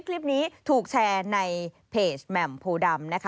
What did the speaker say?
คลิปนี้ถูกแชร์ในเพจแหม่มโพดำนะคะ